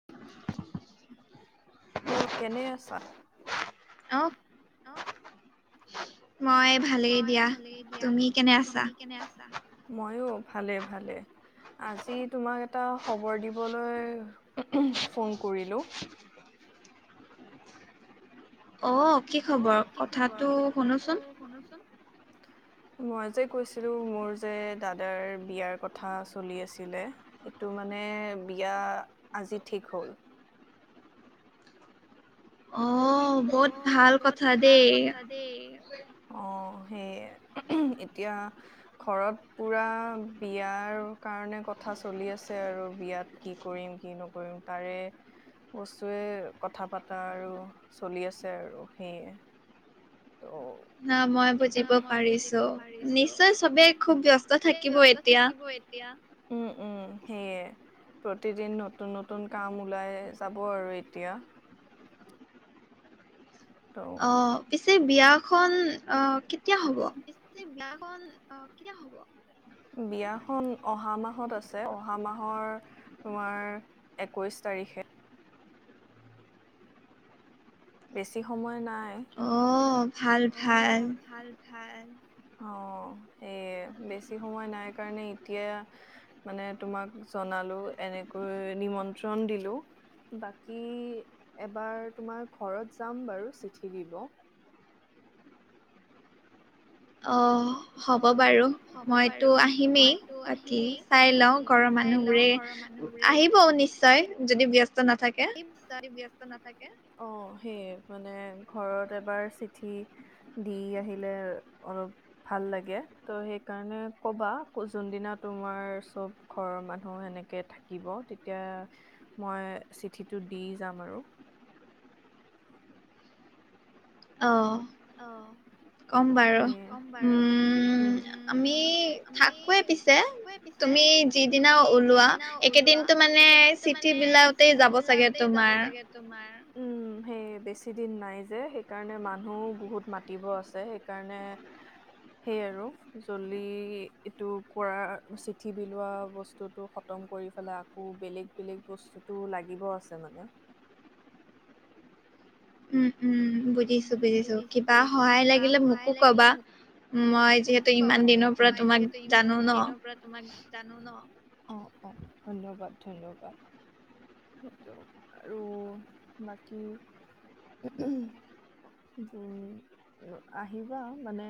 [unintelligible] অ', কেনে আছা? অ' [unintelligible] মই ভালেই দিয়া। তুমি কেনে আছা? ময়ো, ভালে-ভালেই। আজি তোমাক এটা সবৰ দিবলৈ ফোন কৰিলো। অ', কি খবৰ? কথাটো শুনোচোন! মই যে কৈছিলো, মোৰ যে দাদাৰ বিয়াৰ কথা চলি আছিলে! সেইটো মানে, বিয়া আজি ঠিক হ'ল। অ' বহ্ত ভাল কথা দেই! অ' সেইয়ে। এতিয়া ঘৰত পুৰা বিয়াৰ কাৰণে কথা চলি আছে আৰু। বিয়াত কি কৰিম, কি নকৰিম, তাৰে বস্তুৱে কথা পাতা আৰু। চলি আছে আৰু সেয়ে ন, মই বুজিব পাৰিছো। নিশ্চয়ে, চবে খুব ব্যস্ত থাকিব এতিয়া। উম - উম! সেইয়ে প্ৰতিদিন নতুন- নতুন কাম ওলাই যাব আৰু এতিয়া। অ', পিছ্! যে বিয়াখন! অ' কেতিয়া হ'ব? বিয়াখন অহা মাহত আছে। অহা মাহৰ তোমাৰ একৈশ তাৰিখে। বেছি সময় নাই! অ' ভাল - ভাল। অ সেয়ে বেছি সময় নাই কাৰণে এতিয়া মানে তোমাক জনালো এনেকৈ নিমন্ত্ৰণ দিলো বাকী এবাৰ তোমাক ঘৰত যাম বাৰু চিঠি দিব অ হ'ব বাৰু মইতো আহিমেই বাকী চাই লওঁ ঘৰৰ মানুহ বোৰে আহিব নিশ্চয় যদি ব্যস্ত াৰ [unintelligible] নাথাকে অ সেই মানে ঘৰত এবাৰ চিঠি দি আহিলে অলপ ভাল লাগে ত সেইকাৰণে কবা যোনদিনা তোমাৰ চব ঘৰৰ মানুহ সেনেকে থাকিব তেতিয়া মই চিঠিটো দি যাম আৰু অ কম বাৰু উম আমি থাকোৱে পিছে তুমি যিদিনা ওলোৱা একেদিনতো মানে চিঠ বিলাতে যাব চাগে তোমাৰ উম সেই বেছি দিন নাই যে সেইকাৰণে মানুহ বহুত মাতিব আছে সেইকাৰণে সেই আৰু জল্দিি এইটো কৰা চিঠি বিলোৱা বস্তুটো খতম কৰি পেলাই আকৌ বেলেগ বেলেগ বস্তুটো লাগিব আছে মানে উম উম বুজিছো বুজিছো কিবা সহায় লাগিলে মোকো কবা মই োক কবা মই যিহেতু ইমান দিনৰ পৰা তোমাক জানো ন অ অ ধন্যবাদ ধন্যবাদ সেইটো আৰু বাকী উ আহিবা মানে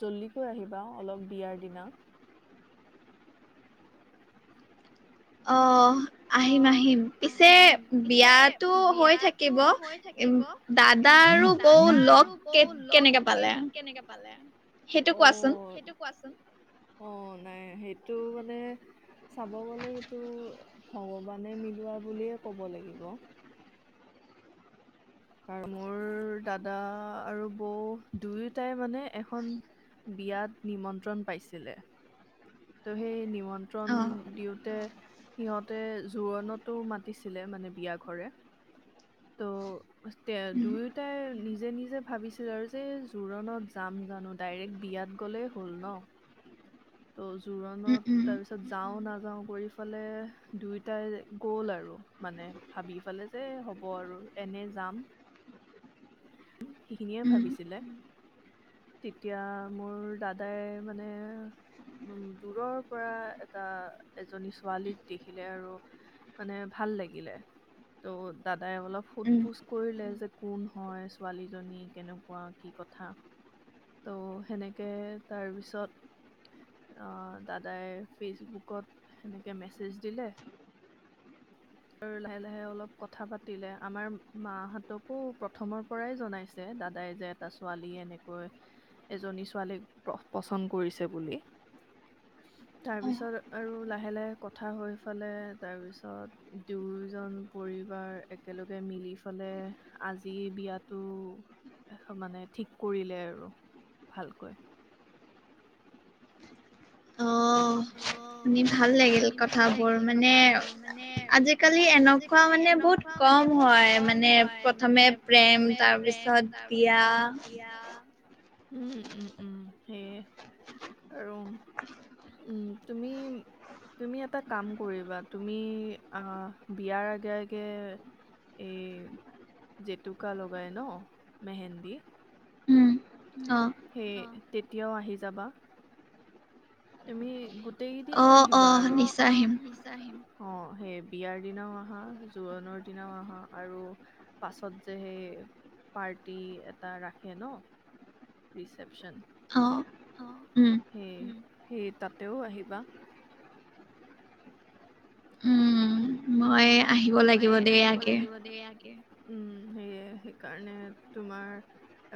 জল্দিিক থৈ আহিবা অলপ বিয়াৰ দিনা অ অ আহ আহিম পিছে বিয়ো হৈ থাকিব উ দাদা আৰু বৌ লগ কেনেকে পালে অ সেইটো কোৱাচোন অ নাই সেইটো মানে চাব গলে সেইটো ভগৱানে মিলোৱা বুলিয়ে কব লাগিব কাৰ মোৰ দাদা আৰু বৌ দুয়োটাই মানে এখন বিয়াত নিমন্ত্ৰণ পাইছিলে তহে নি নিমন্ত্ৰণ দিওঁতে সিহত তে জোৰোণতো মাতিছিলে মানে বিয়া ঘৰে ত' তে দুয়োটাই নিজে নিজে ভাবিছিল আৰু যে জোৰণত যাম জানো ডাইৰেক্ট বিয়াত গ'লেই হ'ল ন ত জোৰণত তাৰ পিছত যাও নাযাও কৰি এইফালে দুইোটাই গ'ল আৰু মানে ভাবি ফালে যে হ'ব আৰু এনে যাম সেইখিনিয়ে ভাবিছিলে তেতিয়া মোৰ দাদাই মানে উ দূৰৰ পৰা এটা এজনী ছোৱালীক দেখিলে আৰু মানে ভাল লাগিলে ত দাদাই অলপ সোধ পোছ কৰিলে যে কোন হয় ছোৱালীজনী কেনেকুৱা কি কথা ত' সেনেকে তাৰপিছত দাদাই ফেচবুকত সেনেকে মেছেজ দিলে আৰু লাহে লাহে অলপ কথা পাতিলে আমাৰ মাহঁতকো প্ৰথম পৰাই জনাইছে দাদাই যে এটা ছোৱালী এনেকৈ এজনী ছোৱালীক প পচন্দ কৰিছে বুলি তাৰপিছত আৰু লাহে লাহে কথা হৈ ফালে তাৰপিছত দুয়োজন পৰিবাৰ একেলগে মিলি ফালে আজি বিয়াত ত মানে ঠিক কৰিলে আৰু ভালকৈ শি ভাল লাগিল কথাবোৰ মানে আজিকালি এনেকুৱা মানে বহুত কম হয় মানে প্ৰথমে প্ৰেম তাৰ পিছত বিয়া উ সেয়ে আৰু উম তুমি তুমি এটা কাম কৰিবা তুমি আহ বিয়াৰ আগে আগে এই জেতুকা লগাই ন মেহেন্দদি উম সেই তেতিয়াও আহি যাবা তুমি গো [unintelligible] েইনে আহিবা আৰু [unintelligible] অ অ আহিম অ সেই বিয়াৰ দিনাও আহা জোৰোণৰ দিনাও আহা আৰু পাছত যে সেই পাৰ্টি এটা ৰাখে ন ৰিচেপশ্যন অ উম সেই সেই তাতেও আহিবা উম মই আহিব লাগিব দেই আগে উম সেয়ে সেইকাৰণে তোমাৰ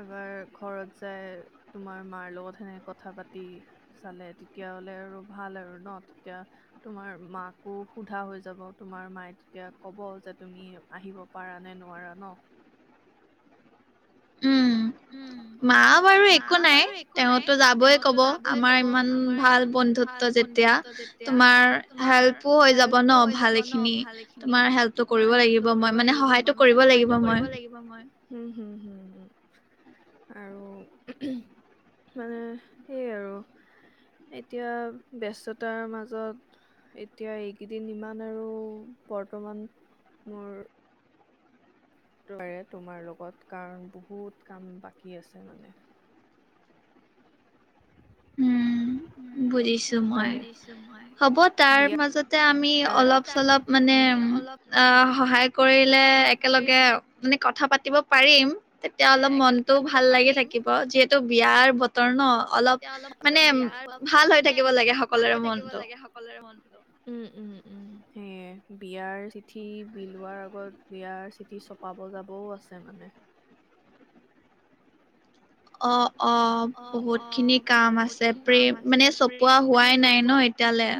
এবাৰ ঘৰত যাই তোমাৰ মাৰ লগত সেনেকে কথা পাতি চালে তেতিয়াহলে আৰু ভাল আৰু ন তেতিয়া তোমাৰ মাকো সোধা হৈ যাব তোমাৰ মায়ে তেতিয়া কব যে তুমি আহিব পাৰা নে নোৱাৰা ন মা বাৰু একো নাই তেওঁতো যাবই কব আমাৰ ইমান ভাল বন্ধুত্ব যেতিয়া তোমাৰ হেল্পো হৈ যাব ন ভালেখিনি তোমাৰ হেল্পটো কৰিব লাগিব মই মানে সহায়টো কৰিব লাগিব মই হুম হুম হুম হুম আৰু মানে সেই আৰু এতিয়া ব্যস্ততাৰ মাজত এতিয়া এইকেইদিন ইমান আৰু বৰ্তমান মোৰ পাৰে তোমাৰ লগত কাৰণ বহুত কাম বাকী আছে মানে বুজিছো মই হ'ব তাৰ মাজতে আমি অলপ চলপ মানে অ সহায় কৰিলে একেলগে মানে কথা পাত তিব পাৰিম তেতিয়া অলপ মনটোও ভাল লাগি থাকিব যিহেতু বিয়াৰ বত ৰ ন অলপ মানে ভাল হৈ থাকিব লাগে সকলোৰে মনতো উম উম উম সেয়ে বিয়াৰ চিঠি বিলোৱাৰ আগত বিয়াৰ চিঠি চপাব যাবও আছে মানে অ অ বহুত খিনি কাম আছে প্ৰেম মানে চপোৱা হোৱাই নাই ন এতিয়ালে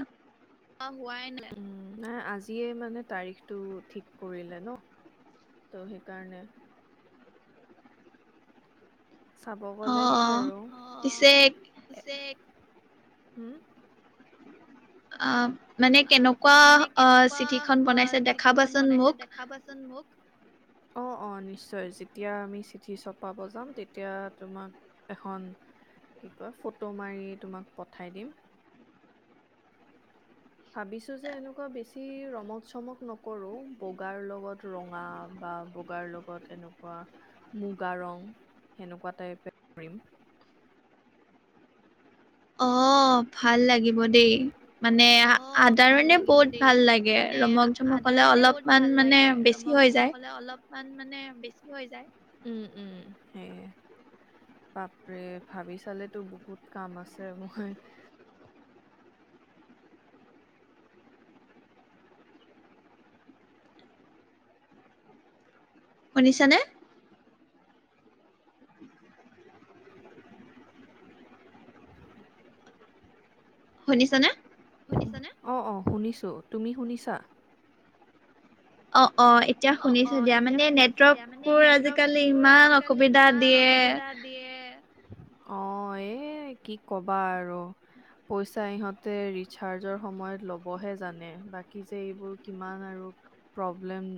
নাই আজিয়ে মানে তাৰিখটো ঠিক কৰিলে ন ত সেইকাৰণে চাব গলেহে আৰু অ অ পিছে হুম অ মানে কেনেকোৱা অ চিঠিখনন বনাইছে দেখাবাচোন মোক অ অ নিশ্চয় যেতিয়া আমি চিঠি চপাব যাম তেতিয়া তোমাক এখন কি কয় ফটো মাৰি তোমাক পথাই দিম ভাবিছো যে এনেকোৱা বেছি ৰমক চমক নকৰো বগাৰ লগত ৰঙা বা বগাৰ লগত এনেকোৱা মুগা ৰং সেনেকোৱা টাইপে কৰিম অ ভাল লাগিব দেই মানে আধাৰণে বহুত ভাল লাগে ৰমক চমক হ'লে অলপমান মানে বেছি হৈ যায় ইমান মানে বেছি হৈ যায় উ উ বাপৰে ভাবি চালেতো বহুত কাম আছে মই শুনিছানে শুনিছ নে শুনিছনে অ অ শুনিছো তুমি শুনিছা অ অ এতিয়া শুনিছে দিয়া মানে নেটৱৰ্কটোৰ আজিকালি ইমান অসুবিধা দিয়ে অ এই কি ক'বা আৰু পইচা ইহঁতে ৰিচাৰ্জৰ সময়ত ল'বহে জানে বাকী যে এইবোৰ কিমান আৰু প্ৰব্লেম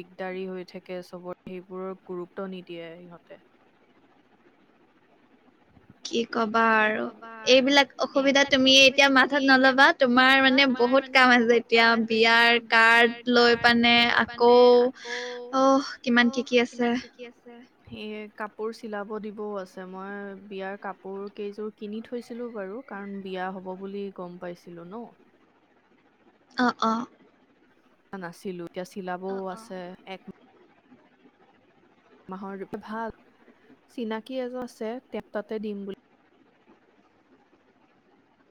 দিগদাৰী হৈ থাকে চবত, সেইবোৰক গুৰুত্ব নিদিয়ে সিহঁতে। কি? কবা আৰু এইবিলাক অসুবিধা তুমি এতিয়া মাথাত নলবা তোমাৰ মানে বহুত কাম আছে এতিয়া, বিয়াৰ কাৰ্ড লৈ পানে আকৌ, অ কিমান কি কি আছে। সেইয়ে, কাপোৰ চিলাব দিবও আছে মই বিয়াৰ কাপোৰ। কেইযোৰ কিনি থৈছিলো বাৰু কাৰণ বিয়া হ'ব বুলি গম পাইছিলো ন। অ অ। নাছিলো এতিয়া চিলাবও আছে এক। মাহৰ ভাল চিনাকি এজন আছে তেওঁ তাতে দিম বুলি।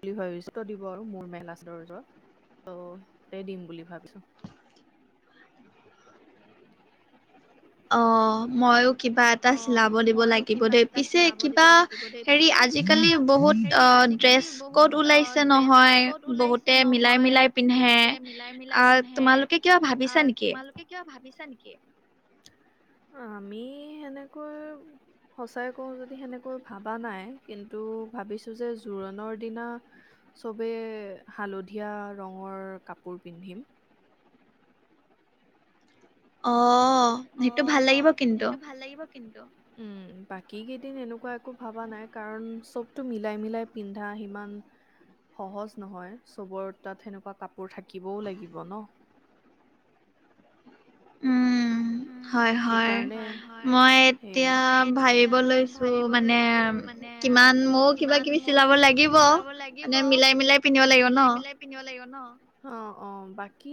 বুলি ভাবিছ দিব আৰু মোৰ মেলা চাদৰ ত' তেই দিম বুলি ভাবিছো। অ ময়ো। অ ময়ো কিবা এটা চিলাব দিব লাগিব দেই, পিছে কিবা, হেৰি আজিকালি বহুত অ ড্ৰেছ ক'ত ওলাইছে নহয়, বহুতে মিলাই মিলাই পিন্ধে অ তোমালোকে কিবা ভাবিছা নেকি? আমি। সেনেকৈ, সচাই কওঁ যদি সেনেকৈ, ভাবা নাই কিন্তু ভাবিছো যে জোৰোণৰ দিনা চবে হালধীয়া ৰঙৰ কাপোৰ পিন্ধিম। অঅঅ। অ সেইটো ভাল লাগিব কিন্তু। উম বাকী কেইদিন এনেকুৱা একো ভবা নাই, কাৰণ চবটো মিলাই মিলাই পিন্ধা সিমান সহজ নহয়, চবৰ তাত সেনেকুৱা কাপোৰ থাকিবও লাগিব ন। উম। উম্ হয় হয় মই এতিয়া ভাবিব লৈছো, মানে কিমান ময়ো কিবা কিবি চিলাব লাগিব, মানে মিলাই মিলাই পিন্ধিব লাগিব ন। অ অ বাকি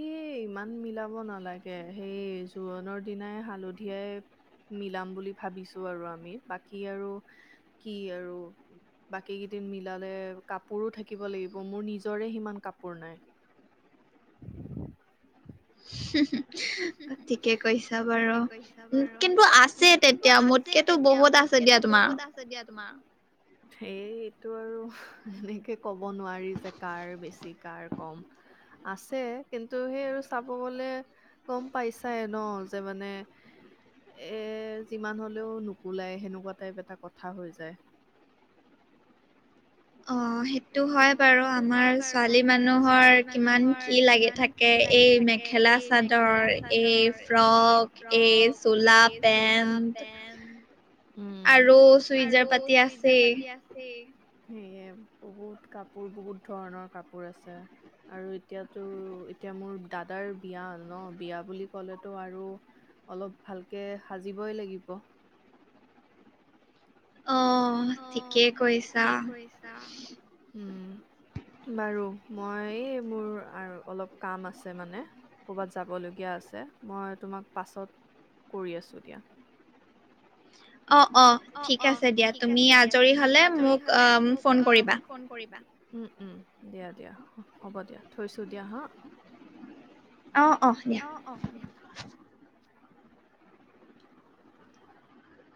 ইমান মিলাব নালাগে সেই যোৰত। নৰ দিনাই হালধাই মিলাম বুলি ভাবিছো আৰু আমি, বাকী আৰু কি আৰু বাকী কেইদিন মিলালে কাপোৰো থাকিব লাগিব, মোৰ নিজৰে সিমান কাপোৰ নাই। [unintelligible] ঠিকে কৈছা বাৰু কিন্তু আছে তেতিয়া মোতকেতো বহুত আছে দিয়া তোমাৰ। সেই এইটো আৰু এনেকে কব নোৱাৰি যে কাৰ বেছি কাৰ কম। আছে কিন্তু সেই আৰু চাব গলে। গম পাইছাই ন যে মানে, এ যিমান হলেও নোকোলাই, সেনেকুৱা টাইপ এটা কথা হৈ যায়। অ সেই অ সেইটো হয় বাৰু আমাৰ ছোৱালী মানুহৰ কিমান কি লাগি থাকে। এই মেখেলা চাদৰ, এই ফ্ৰক, এই চোলা পেন্ট আৰু চুইজাৰ পাতি আছেই। সেইয়ে। বহুত কাপোৰ, বহুত ধৰণৰ কাপোৰ আছে। আৰু এতিয়াতো এতিয়া মোৰ দাদাৰ বিয়া ন, বিয়া বুলি কলেতো আৰু অলপ ভালকে সাজিবই লাগিব। আহ ঠিকেই কৈছা। বাৰু মই এই মোৰ আৰু অলপ কাম আছে মানে, কবাত যাব লগীয়া আছে, মই তোমাক পাছত কৰি আছো দিয়া। অ অ ঠিক আছে দিয়া তুমি আজৰি হলে মোক অঁ ফোন কৰিবা। উম উম দিয়া দিয়া হ'ব দিয়া থৈছো দিয়া হা। অ অ দিয়া। [inaudible]